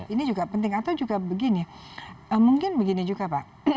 ini juga penting atau juga begini mungkin begini juga pak